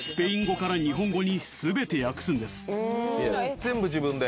全部自分で？